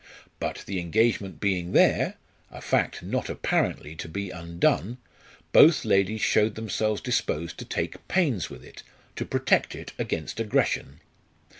But the engagement being there a fact not apparently to be undone both ladies showed themselves disposed to take pains with it, to protect it against aggression.